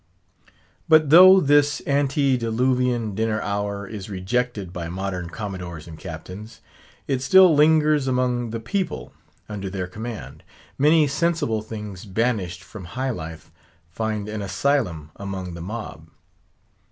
But though this antediluvian dinner hour is rejected by modern Commodores and Captains, it still lingers among "the people" under their command. Many sensible things banished from high life find an asylum among the mob.